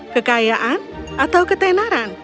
kekayaan atau ketenaran